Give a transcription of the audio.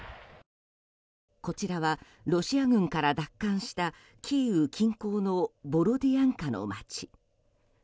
こちらは、ロシア軍から奪還したキーウ近郊のボロディアンカの街。